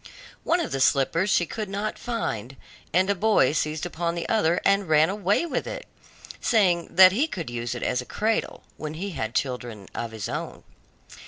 One of the slippers she could not find, and a boy seized upon the other and ran away with it, saying that he could use it as a cradle, when he had children of his own.